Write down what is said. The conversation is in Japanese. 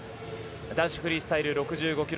男子フリースタイル６５ｋｇ